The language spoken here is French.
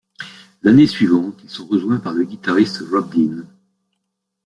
L'année suivante, ils sont rejoints par le guitariste Rob Dean.